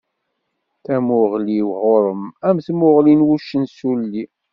Tamuɣli-w ɣur-m am tmuɣli n wuccen s wulli.